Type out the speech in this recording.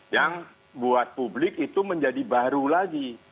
yang buat publik itu menjadi baru lagi